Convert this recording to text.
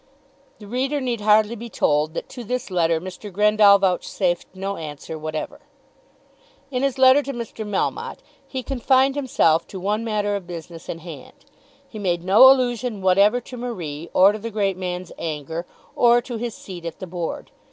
The reader need hardly be told that to this letter Mr. Grendall vouchsafed no answer whatever. In his letter to Mr. Melmotte he confined himself to one matter of business in hand. He made no allusion whatever to Marie, or to the great man's anger, or to his seat at the board.